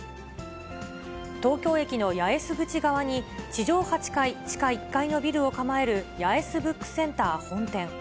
東京駅の八重洲口側に、地上８階地下１階のビルを構える八重洲ブックセンター本店。